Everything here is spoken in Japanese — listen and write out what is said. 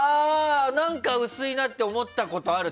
何か薄いなって思ったことある。